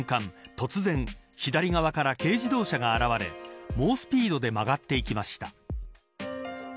突然左側から軽自動車が現れ猛スピードで曲がっていきました。